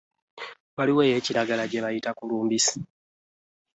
Waliwo eya kiragala gye bayita kkulumbisi.